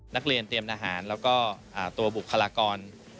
นักเรียนเตรียมทหารแล้วก็ตัวบุคลากร